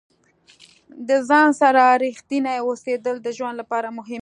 د ځان سره ریښتیني اوسیدل د ژوند لپاره مهم دي.